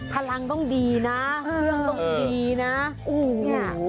พลังต้องดีนะเพื่องต้องดีนะ